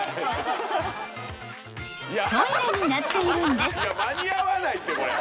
［トイレになっているんです］